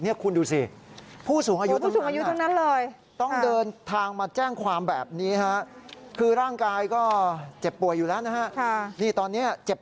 นี่คุณดูสิผู้สูงอายุตรงนั้น